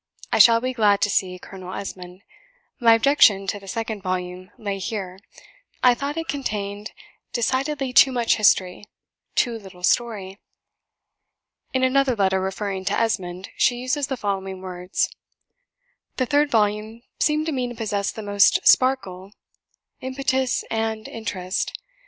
I shall be glad to see 'Colonel Esmond.' My objection to the second volume lay here: I thought it contained decidedly too much history too little story." In another letter, referring to "Esmond," she uses the following words: "The third volume seemed to me to possess the most sparkle, impetus, and interest.